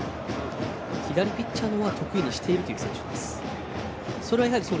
左ピッチャーのほうが得意にしているという選手です。